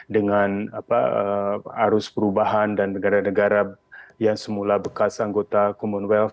dengan arus perubahan dan negara negara yang semula bekas anggota commonwealth